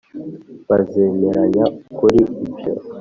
bazemeranya kuri ibyo.